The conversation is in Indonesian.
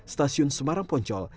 stasiun semarang poncol